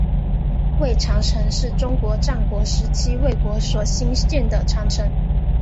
魏长城是中国战国时期魏国所兴建的长城。